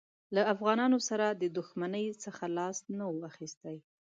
له افغانانو سره د دښمنۍ څخه لاس نه وو اخیستی.